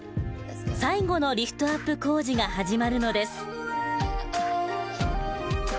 最後のリフトアップ工事が始まるのです。